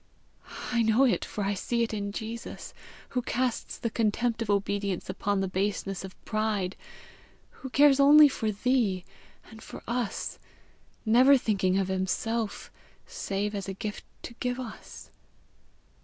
I know it, for I see it in Jesus, who casts the contempt of obedience upon the baseness of pride, who cares only for thee and for us, never thinking of himself save as a gift to give us!